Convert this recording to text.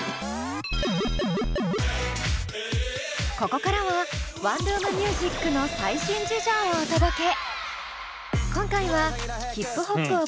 ここからはワンルーム☆ミュージックの最新事情をお届け。